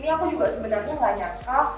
tapi aku juga sebenarnya nggak nyangka